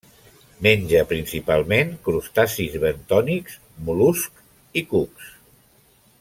Menja principalment crustacis bentònics, mol·luscs i cucs.